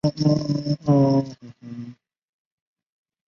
高速公路路线编号与新东名高速公路清水联络路被共同编为。